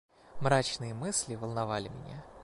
Мрачные мысли волновали меня.